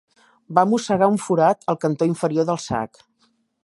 Va mossegar un forat al cantó inferior del sac.